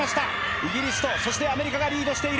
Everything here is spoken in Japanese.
イギリスとアメリカがリードしている。